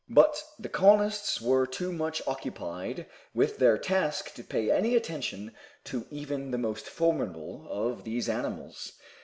But the colonists were too much occupied with their task to pay any attention to even the most formidable of these animals.